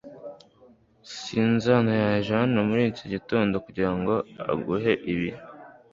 Sinzano yaje hano muri iki gitondo kugirango aguhe ibi .